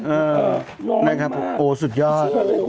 เออนะครับโอ้สุดยอด